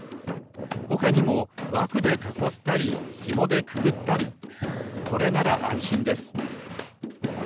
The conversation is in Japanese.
ほかにもわくでかこったりひもでくくったりこれならあんしんです。